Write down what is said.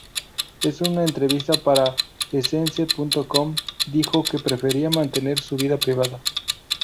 En una entrevista para Essence.com, dijo que prefiere mantener su vida privada.